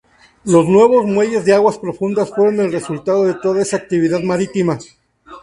Los nuevos muelles de aguas profundas fueron el resultado de toda esa actividad marítima.